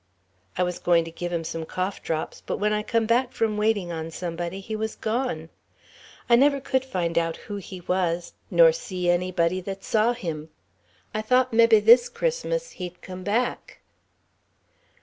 I was goin' to give him some cough drops, but when I come back from waiting on somebody he was gone. I never could find out who he was, nor see anybody that saw him. I thought mebbe this Christmas he'd come back.